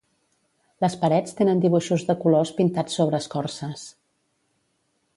Les parets tenen dibuixos de colors pintats sobre escorces.